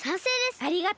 ありがとう。